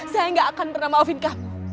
saya gak akan pernah maafin kamu